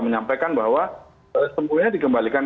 menyampaikan bahwa semuanya dikembalikan